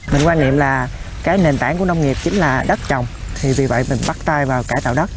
mình quan niệm là cái nền tảng của nông nghiệp chính là đất trồng thì vì vậy mình bắt tay vào cải tạo đất